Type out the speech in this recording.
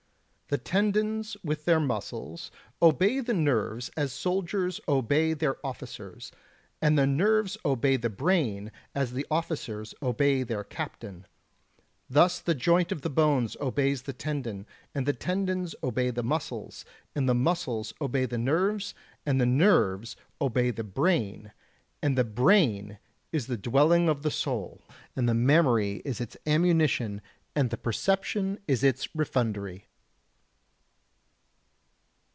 The tendons with their muscles obey the nerves as soldiers obey their officers, and the nerves obey the brain as the officers obey their captain; thus the joint of the bones obeys the tendon, and the tendons obey the muscles, and the muscles obey the nerves, and the nerves obey the brain, and the brain is the dwelling of the soul, and the memory is its ammunition and the perception is its refundary.